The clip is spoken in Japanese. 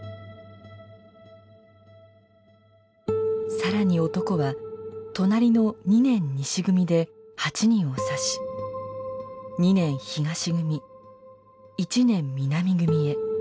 更に男は隣の２年西組で８人を刺し２年東組１年南組へ。